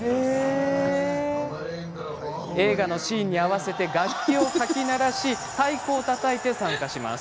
映画のシーンに合わせて楽器をかき鳴らし太鼓をたたいて参加します。